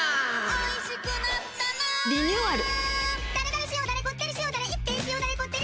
おいしくなったなリニューアル。